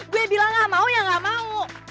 gue bilang gak mau ya gak mau